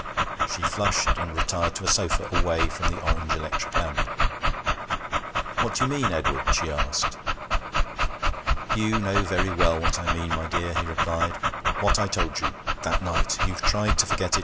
She flushed, and retired to a sofa, away from the orange electric lamp. 'What do you mean, Edward?' she asked. 'You know very well what I mean, my dear,' he replied. 'What I told you that night! You've tried to forget it.